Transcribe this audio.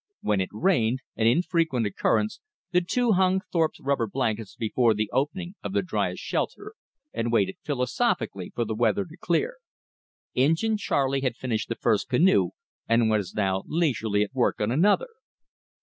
When it rained, an infrequent occurrence, the two hung Thorpe's rubber blankets before the opening of the driest shelter, and waited philosophically for the weather to clear. Injin Charley had finished the first canoe, and was now leisurely at work on another.